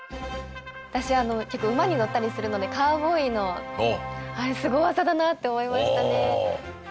私結構馬に乗ったりするのでカウボーイのあれスゴ技だなって思いましたね。